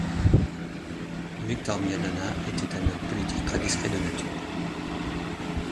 Victor Miadana était un homme politique très discret de nature.